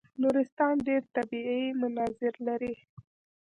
نورستان ډېر طبیعي مناظر لري.